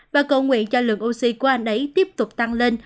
và cầu nguyện cho lượng oxy của anh ấy tiếp tục tăng lên